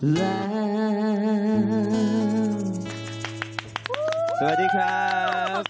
เธอคนนี้คือคนที่ฉันขอบคุณ